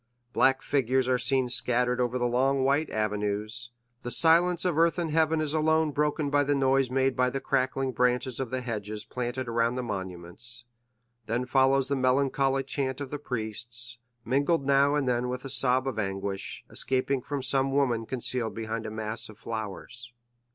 Black figures are seen scattered over the long white avenues; the silence of earth and heaven is alone broken by the noise made by the crackling branches of hedges planted around the monuments; then follows the melancholy chant of the priests, mingled now and then with a sob of anguish, escaping from some woman concealed behind a mass of flowers.